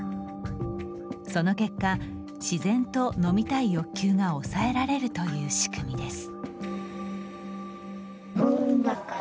その結果、自然と飲みたい欲求が抑えられるという仕組みです。